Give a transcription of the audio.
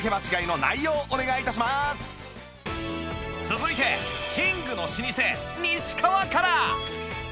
続いて寝具の老舗西川から！